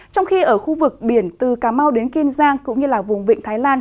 trong khi ở khu vực biển từ cà mau đến kiên giang cũng như là vùng vịnh thái lan